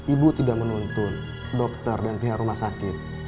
ibu tidak menuntun dokter dan pihak rumah sakit